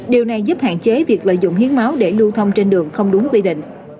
điều này giúp hạn chế việc lợi dụng hiến máu để lưu thông trên đường không đúng quy định